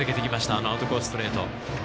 あのアウトコースのストレート。